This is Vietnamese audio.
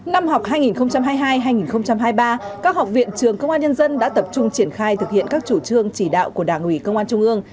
năm học hai nghìn hai mươi hai hai nghìn hai mươi ba các học viện trường công an nhân dân đã tập trung triển khai thực hiện các chủ trương chỉ đạo của đảng ủy công an trung ương